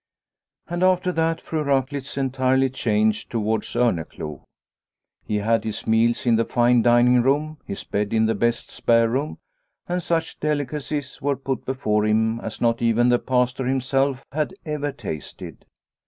And after that Fru Raklitz entirely changed towards Orneclou. He had his meals in the fine dining room, his bed in the best spare room, and such delicacies were put before him as not even the Pastor himself had ever tasted.